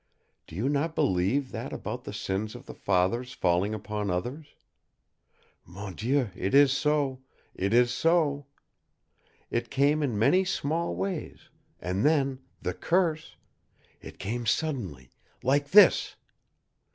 Do you not believe that about the sins of the fathers falling upon others? Mon Dieu, it is so it is so. It came in many small ways and then the curse it came suddenly LIKE THIS."